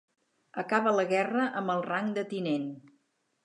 Acaba la guerra amb el rang de tinent.